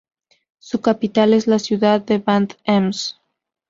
Su capital es la ciudad de Bad Ems.